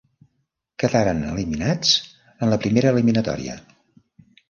Quedaren eliminats en la primera eliminatòria.